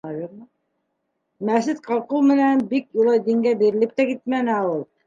Мәсет ҡалҡыу менән бик улай дингә бирелеп тә китмәне ауыл.